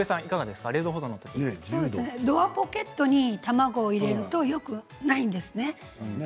ドアポケットに卵を入れると、よくないんですね。